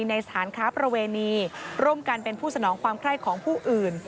ในสถานค้าประเวณีร่วมกันเป็นผู้สนองความไคร้ของผู้อื่น